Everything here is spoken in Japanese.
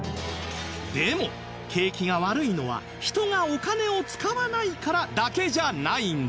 でも景気が悪いのは人がお金を使わないからだけじゃないんですよ